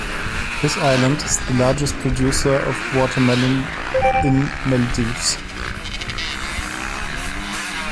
This island is the largest producer of watermelon in Maldives.